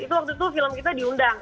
itu waktu itu film kita diundang